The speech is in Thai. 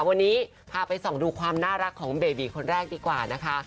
วันนี้พาไปส่องดูความน่ารักของเบบีคนแรกดีกว่านะคะ